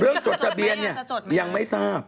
จดทะเบียนเนี่ยยังไม่ทราบ